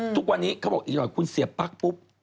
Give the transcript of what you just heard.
ทุกวันนี้เขาบอกอีกหน่อยคุณเสียปั๊กปุ๊บ